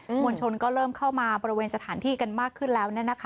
มวลชนก็เริ่มเข้ามาบริเวณสถานที่กันมากขึ้นแล้ว